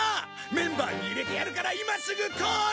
メンバーに入れてやるから今すぐ来い！